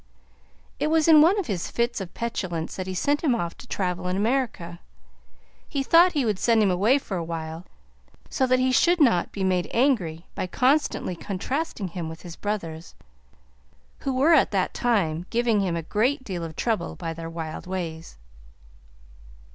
It was in one of his fits of petulance that he sent him off to travel in America; he thought he would send him away for a while, so that he should not be made angry by constantly contrasting him with his brothers, who were at that time giving him a great deal of trouble by their wild ways.